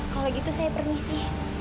kalau gitu saya permisi